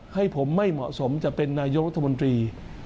ให้ผมไม่เหมาะสมจะเป็นนายกรัฐมนตรี